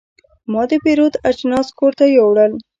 ما د پیرود اجناس کور ته یوړل.